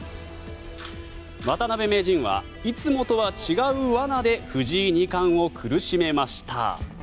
渡辺名人はいつもとは違うわなで藤井二冠を苦しめました。